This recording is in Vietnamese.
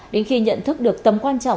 đến khi nhận thức được tấm quan trọng